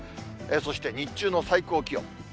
そして日中の最高気温。